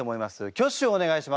挙手をお願いします。